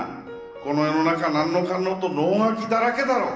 この世の中何のかんのと能書きだらけだろう。